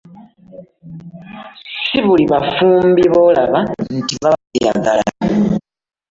Si buli bafumbi b'olaba nti baba beeyagala